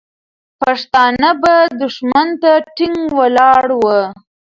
پښتانه به دښمن ته ټینګ ولاړ وو.